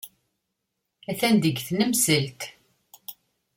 Atan deg tnemselt.